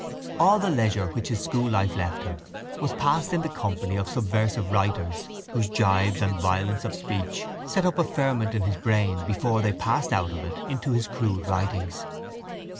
All the leisure which his school life left him was passed in the company of subversive writers whose gibes and violence of speech set up a ferment in his brain before they passed out of it into his crude writings.